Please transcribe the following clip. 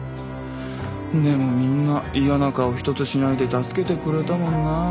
でもみんな嫌な顔一つしないで助けてくれたもんなぁ